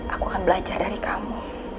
aku akan belajar dari kamu